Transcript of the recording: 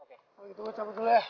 oke gitu gua cabut dulu ya